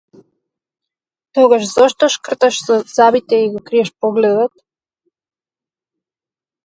Тогаш зошто шкрташ со забите и го криеш погледот?